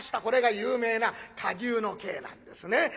これが有名な火牛の計なんですね。